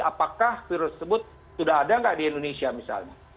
apakah virus tersebut sudah ada nggak di indonesia misalnya